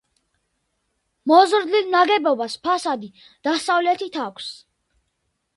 მოზრდილ ნაგებობას ფასადი დასავლეთით აქვს.